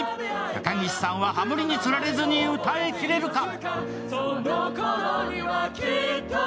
高岸さんはハモリにつられずに歌いきれるか。